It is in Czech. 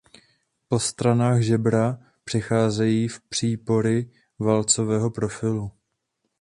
Po stranách žebra přecházejí v přípory válcového profilu.